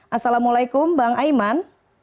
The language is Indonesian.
assalamualaikum bang aiman